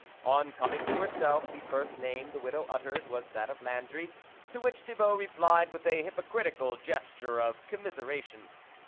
On coming to herself, the first name the widow uttered was that of Landry, to which Thibault replied with a hypocritical gesture of commiseration.